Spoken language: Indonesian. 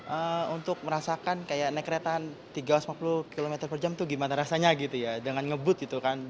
untuk merasakan kayak naik keretaan tiga ratus lima puluh km per jam itu gimana rasanya gitu ya dengan ngebut gitu kan